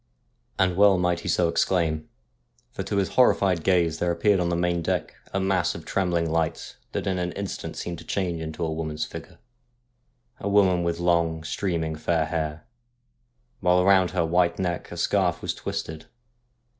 ' And well might he so exclaim, for to his horrified gaze there appeared on the main deck a mass of trembling light that in an instant seemed to change into a woman's figure, a woman with long, streaming fair hair, while round her white neck a scarf was twisted.